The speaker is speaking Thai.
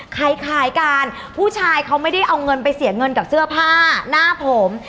ขายขายกันผู้ชายเขาไม่ได้เอาเงินไปเสียเงินกับเสื้อผ้าหน้าผม